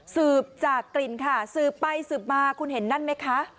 สืบจากกลิ่นค่ะสืบไปสืบมาคุณเห็นนั่นไหมคะ